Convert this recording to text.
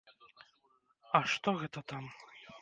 А што гэта там?